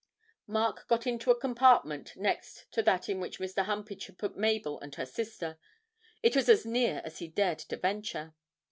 Mark got into a compartment next to that in which Mr. Humpage had put Mabel and her sister; it was as near as he dared to venture.